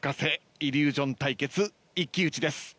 イリュージョン対決一騎打ちです。